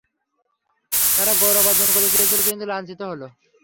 তারা গৌরব অর্জন করতে চেয়েছিল, কিন্তু লাঞ্ছিত হল।